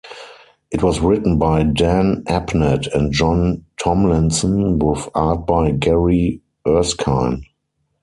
It was written by Dan Abnett and John Tomlinson with art by Gary Erskine.